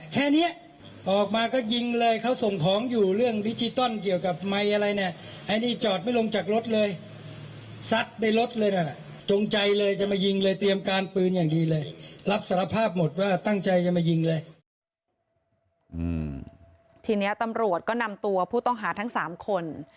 ทีนี้ตำรวจก็นำตัวผู้ต้องหาทั้ง๓คน